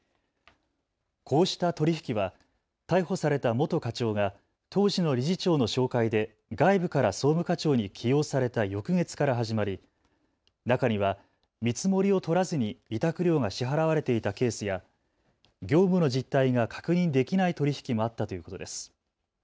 こうした取り引きは逮捕された元課長が当時の理事長の紹介で外部から総務課長に起用された翌月から始まり中には見積もりを取らずに委託料が支払われていたケースや業務の実態が確認できない取り引きもあったということです。